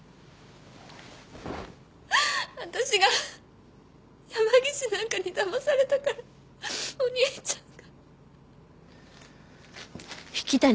私が山岸なんかにだまされたからお兄ちゃんが。